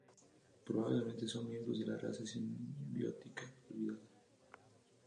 Probablemente son miembros de una raza simbiótica olvidada.